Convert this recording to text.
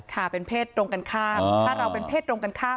ค่ะเป็นเพศตรงกันข้ามถ้าเราเป็นเพศตรงกันข้าม